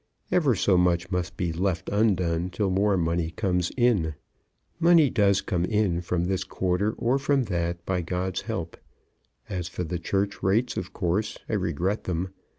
Ever so much must be left undone till more money comes in. Money does come in from this quarter or from that, by God's help. As for the church rates, of course I regret them.